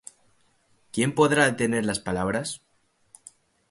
¿quién podrá detener las palabras?